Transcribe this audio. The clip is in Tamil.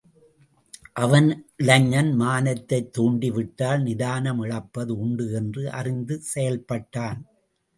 அவன் இளைஞன், மானத்தைத் தூண்டி விட்டால் நிதானம் இழப்பது உண்டு என்று அறிந்து செயல்பட்டான்.